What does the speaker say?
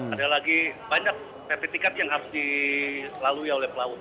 ada lagi banyak sertifikat yang harus dilalui oleh pelaut